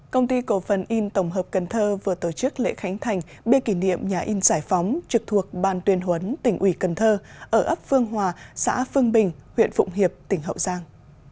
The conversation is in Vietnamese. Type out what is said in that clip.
công ty cổ phần in tổng hợp cần thơ vừa tổ chức lễ khánh thành bê kỷ niệm nhà in giải phóng trực thuộc ban tuyên huấn tỉnh ủy cần thơ ở ấp phương hòa xã phương bình huyện phụng hiệp tỉnh hậu giang